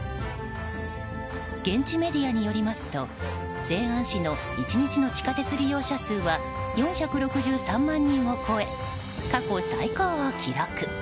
現地メディアによりますと西安市の１日の地下鉄利用者数は４６３万人を超えて過去最高を記録。